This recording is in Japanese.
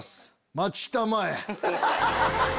待ちたまえ。